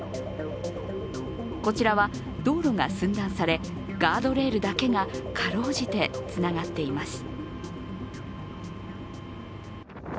こちらは、道路が寸断されガードレールだけがかろうじてつながっています。